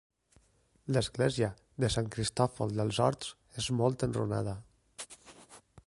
L'església de Sant Cristòfol dels Horts és molt enrunada.